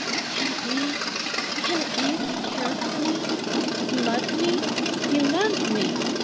"Can it be, can it be that he cares for me? He loves me. He loves me!"